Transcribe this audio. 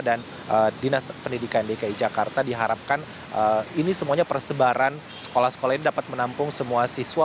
dan dinas pendidikan dki jakarta diharapkan ini semuanya persebaran sekolah sekolah ini dapat menampung semua siswa